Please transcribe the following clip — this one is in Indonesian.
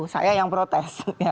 saya yang protes